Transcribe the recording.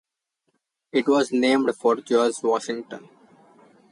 It was named for George Washington.